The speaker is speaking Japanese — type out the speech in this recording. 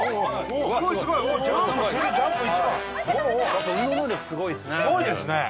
やっぱ運動能力すごいですね。